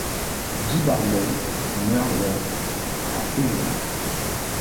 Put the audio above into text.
Guy Bardone meurt le à Oyonnax.